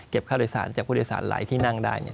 ค่าโดยสารจากผู้โดยสารหลายที่นั่งได้